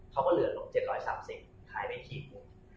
เขาก็เหลือลง๗๓๐หายไปทีนึง